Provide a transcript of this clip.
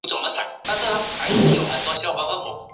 家中的地板露气重